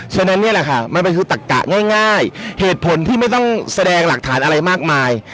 มันก็คือตักแต่ง่ายเหตุผลที่ไม่ต้องแสดงหลักฐานอะไรมากมาย